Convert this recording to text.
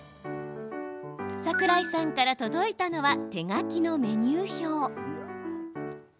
桜井さんから届いたのは手描きのメニュー表。